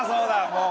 もう。